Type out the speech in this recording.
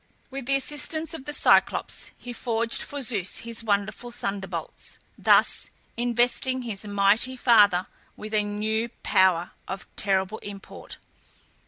With the assistance of the Cyclops, he forged for Zeus his wonderful thunderbolts, thus investing his mighty father with a new power of terrible import.